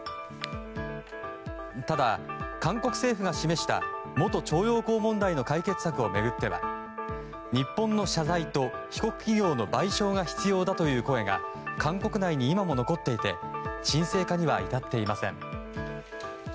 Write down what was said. ただ、韓国政府が示した元徴用工問題の解決策を巡っては日本の謝罪と被告企業の賠償が必要だという声が韓国内に今も残っていて沈静化には至っていません。